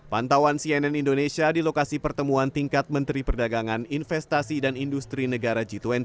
pantauan cnn indonesia di lokasi pertemuan tingkat menteri perdagangan investasi dan industri negara g dua puluh